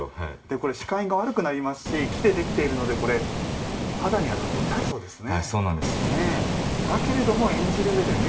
これ、視界が悪くなりますし木でできているので肌に当たって痛そうですね。